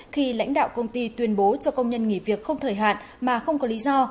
khi lãnh đạo công ty tuyên bố cho công nhân nghỉ việc không thời hạn mà không có lý do